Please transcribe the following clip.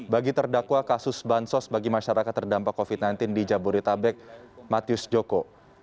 bagi terdakwa kasus bansos bagi masyarakat terdampak covid sembilan belas di jabodetabek matius joko